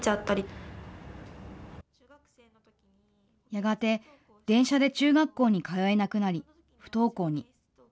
やがて、電車で中学校に通えなくなり、不登校に。